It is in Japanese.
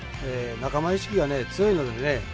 仲間意識が強いのでね